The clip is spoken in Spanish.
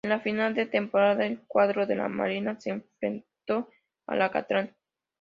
En la final de temporada, el cuadro de la Marina se enfrentó al Acatlán.